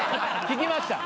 聞きました。